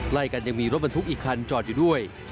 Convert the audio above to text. ใกล้กันยังมีรถบรรทุกอีกคันจอดอยู่ด้วย